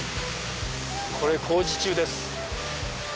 これ工事中です。